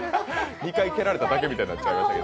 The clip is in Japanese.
２回蹴られただけみたいになっちゃいましたけど。